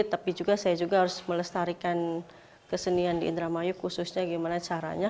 tapi juga saya juga harus melestarikan kesenian di indramayu khususnya gimana caranya